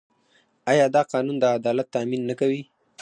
آیا دا قانون د عدالت تامین نه کوي؟